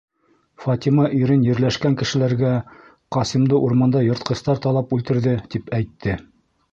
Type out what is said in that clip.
Фатима ирен ерләшкән кешеләргә, Ҡасимды урманда йыртҡыстар талап үлтерҙе, тип әйтә.